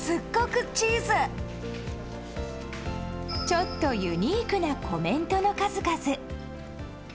ちょっとユニークなコメントの数々。